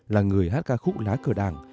là người hát ca khúc lá cờ đảng